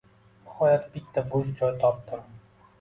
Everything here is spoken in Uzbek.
Nihoyat bitta boʻsh joy topdim.